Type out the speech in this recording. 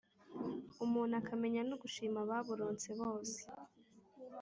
Umuntu akamenya no gushima ababuronse bose.